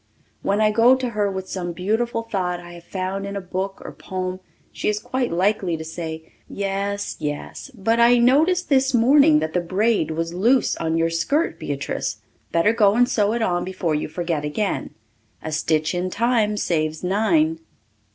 When I go to her with some beautiful thought I have found in a book or poem she is quite likely to say, "Yes, yes, but I noticed this morning that the braid was loose on your skirt, Beatrice. Better go and sew it on before you forget again. 'A stitch in time saves nine.'"